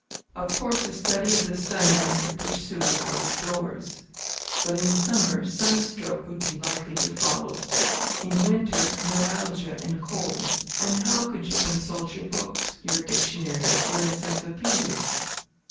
Of course, a study of the sun might be pursued out of doors. But in summer, sunstroke would be likely to follow; in winter, neuralgia and cold. And how could you consult your books, your dictionaries, your encyclopædias?